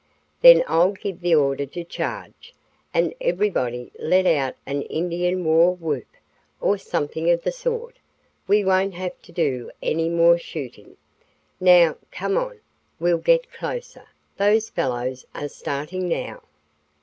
Then I'll give the order to charge, and everybody let out an Indian war whoop or something of the sort. We won't have to do any more shooting. Now, come on; we'll get closer. Those fellows are starting now."